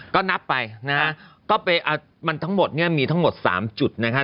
ก็นับไปนะฮะก็ไปมันทั้งหมดเนี่ยมีทั้งหมด๓จุดนะคะ